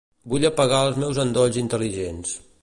Vull apagar els meus endolls intel·ligents.